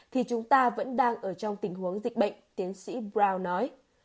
thì chúng ta vẫn đang ở trong tình huống dịch bệnh tiến sĩ brow nói